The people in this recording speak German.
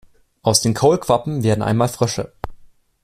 Aus den Kaulquappen werden einmal Frösche.